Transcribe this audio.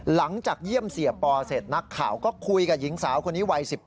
หลังจากเยี่ยมเสียปอเสร็จนักข่าวก็คุยกับหญิงสาวคนนี้วัย๑๘